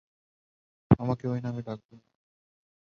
আমাকে ওই নামে ডাকবে না।